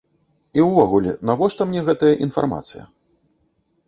І ўвогуле, навошта мне гэтая інфармацыя?